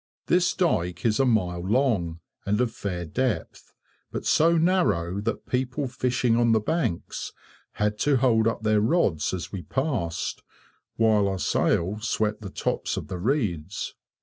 This dyke is a mile long, and of fair depth, but so narrow that people fishing on the banks had to hold up their rods as we passed, while our sail swept the tops of the reeds.